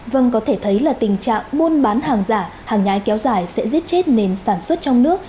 vâng có thể thấy là tình trạng buôn bán hàng giả hàng nhái kéo dài sẽ giết chết nền sản xuất trong nước